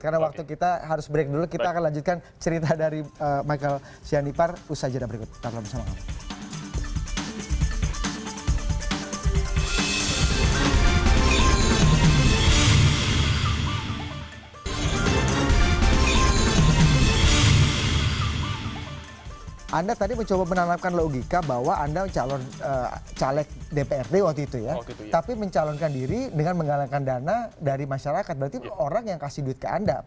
karena waktu kita harus break dulu kita akan lanjutkan cerita dari michael cianipar usai jadah berikut